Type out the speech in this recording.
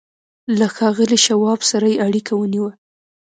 له ښاغلي شواب سره يې اړيکه ونيوه.